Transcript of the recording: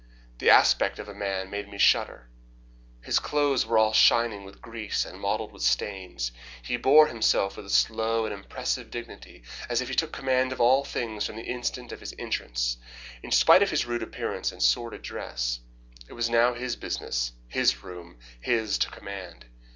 The aspect of the man made me shudder. His clothes were all shining with grease and mottled with stains. He bore himself with a slow and impressive dignity, as if he took command of all things from the instant of his entrance. In spite of his rude appearance and sordid dress, it was now his business, his room, his to command.